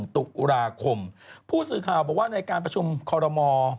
ตุลาคมผู้สื่อข่าวบอกว่าในการประชุมคอรมอล